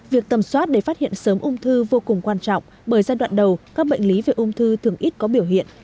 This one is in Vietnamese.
việc tầm soát để phát hiện sớm ung thư vô cùng quan trọng bởi giai đoạn đầu các bệnh lý về ung thư thường ít có biểu hiện